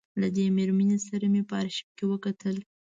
له دې مېرمنې سره مې په آرشیف کې وکتل.